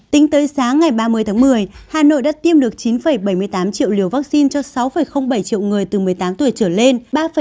tính tới sáng ngày ba mươi tháng một mươi hà nội đã tiêm được chín bảy mươi tám triệu liều vaccine cho sáu bảy triệu người từ một mươi tám tuổi trở lên